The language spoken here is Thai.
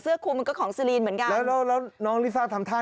คุมมันก็ของซีรีนเหมือนกันแล้วแล้วน้องลิซ่าทำท่า